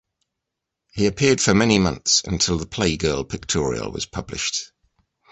He appeared for many months until the "Playgirl" pictorial was published.